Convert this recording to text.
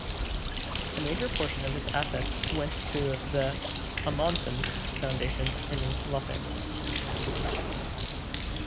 A major portion of his assets went to the Ahmanson Foundation in Los Angeles.